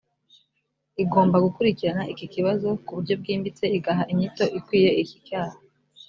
igomba gukurikirana iki kibazo ku buryo bwimbitse igaha inyito ikwiye iki cyaha